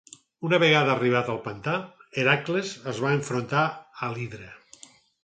Una vegada arribat al pantà, Hèracles es va enfrontar a l'Hidra.